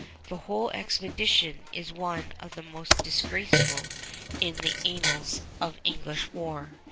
The whole expedition is one of the most disgraceful in the annals of English war.